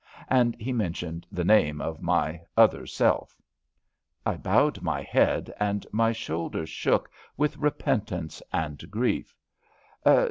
'' And he mentioned the name of my Other Self. I bowed my head, and my shoulders shook with repentance and grief.